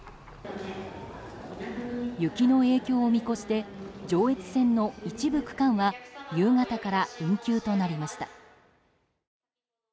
雪の影響を見越して上越線の一部区間は夕方から運休となりました。